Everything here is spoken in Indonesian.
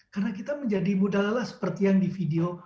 karena kita menjadi mudah lelah seperti yang di video